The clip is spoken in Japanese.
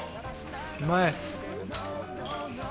うまい。